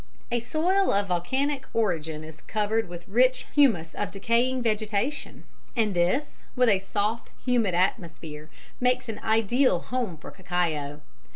A soil of volcanic origin is covered with a rich humus of decaying vegetation, and this, with a soft humid atmosphere, makes an ideal home for cacao.